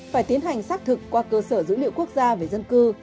phải tiến hành xác thực qua cơ sở dữ liệu quốc gia về dân cư